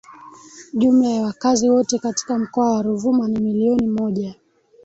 Jumla ya wakazi wote katika Mkoa wa Ruvuma ni milioni moja